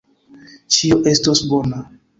Ĉio estos bona.